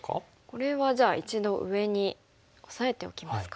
これはじゃあ一度上にオサえておきますか。